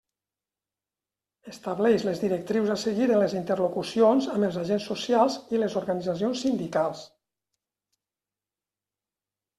Estableix les directrius a seguir en les interlocucions amb els agents socials i les organitzacions sindicals.